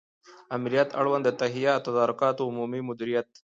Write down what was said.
آمریت اړوند د تهیه او تدارکاتو عمومي مدیریت